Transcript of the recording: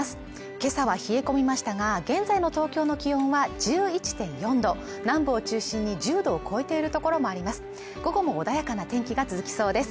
今朝は冷え込みましたが現在の東京の気温は１１．４度南部を中心に１０度を超えている所もあります